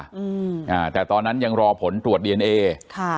อืมอ่าแต่ตอนนั้นยังรอผลตรวจดีเอนเอค่ะ